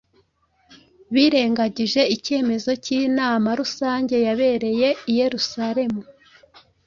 Birengagije icyemezo cy’inama rusange yabereye i Yerusalemu